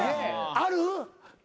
ある。